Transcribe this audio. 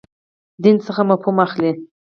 دین څخه مفهوم اخلئ.